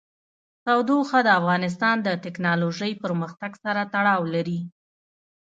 تودوخه د افغانستان د تکنالوژۍ پرمختګ سره تړاو لري.